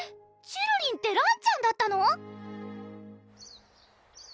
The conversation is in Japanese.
ちゅるりんってらんちゃんだったの？